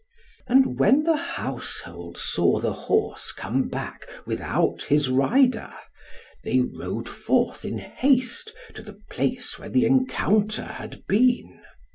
And when the household saw the horse come back without his rider, they rode forth in haste to the place where the encounter had been.